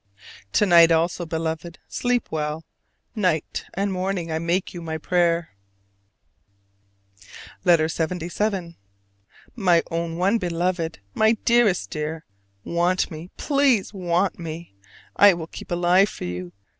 To night also, Beloved, sleep well! Night and morning I make you my prayer. LETTER LXXVII. My own one beloved, my dearest dear! Want me, please want me! I will keep alive for you.